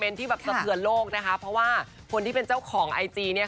เป็นที่แบบสะเทือนโลกนะคะเพราะว่าคนที่เป็นเจ้าของไอจีเนี่ย